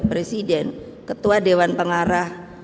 presiden ketua dewan pengarah